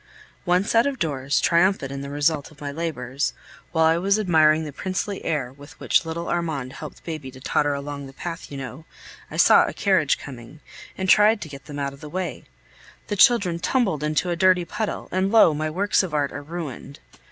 Once out of doors, triumphant in the result of my labors, while I was admiring the princely air with which little Armand helped baby to totter along the path you know, I saw a carriage coming, and tried to get them out of the way. The children tumbled into a dirty puddle, and lo! my works of art are ruined!